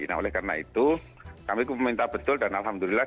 nah oleh karena itu kami meminta betul dan alhamdulillah